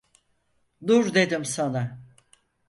Dur dedim sana!